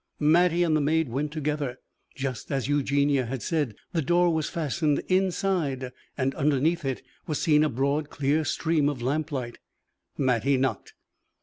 Mattie and the maid went together. Just as Eugenie had said, the door was fastened inside, and underneath it was seen a broad clear stream of lamplight. Mattie knocked.